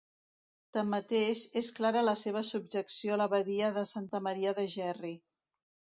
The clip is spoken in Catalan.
Tanmateix, és clara la seva subjecció a l'abadia de Santa Maria de Gerri.